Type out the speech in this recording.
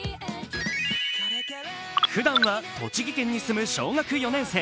ふだんは栃木県に住む小学４年生。